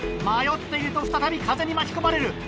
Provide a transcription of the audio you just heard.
迷っていると再び風に巻き込まれる。